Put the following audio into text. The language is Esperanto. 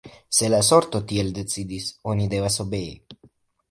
Se la sorto tiel decidis, oni devas obei!